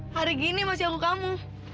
hari gini masih aku kamu